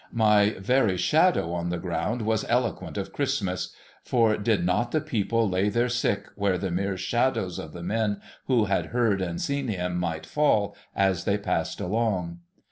My very shadow on the ground was eloquent of Christmas ; for did not the people lay their sick where the mere shadows of the men who had heard and seen him might fall as they passed along